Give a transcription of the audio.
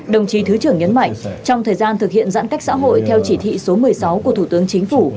đồng chí thứ trưởng nhấn mạnh trong thời gian thực hiện giãn cách xã hội theo chỉ thị số một mươi sáu của thủ tướng chính phủ